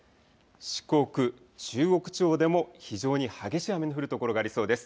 四国、中国地方でも非常に激しい雨の降る所がありそうです。